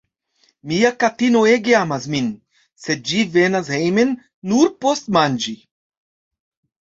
Mia katino ege amas min, sed ĝi venas hejmen nur por manĝi.